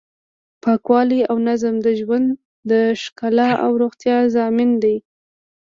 پاکوالی او نظم د ژوند د ښکلا او روغتیا ضامن دی.